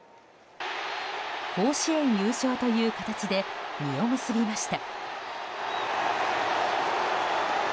甲子園優勝という形で実を結びました。